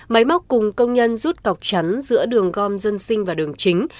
máy móc cùng công nhân rút cọc chắn giữa đường gom dân sinh và đường chính